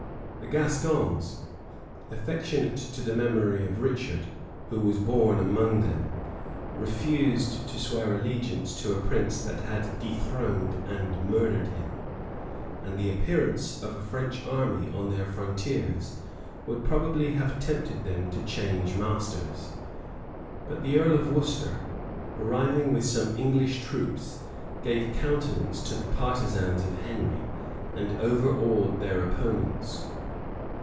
The Gascons, affectionate to the memory of Richard, who was born among them, refused to swear allegiance to a prince that had dethroned and murdered him; and the appearance of a French army on their frontiers would probably have tempted them to change masters.[] But the earl of Worcester, arriving with some English troops, gave countenance to the partisans of Henry, and overawed their opponents.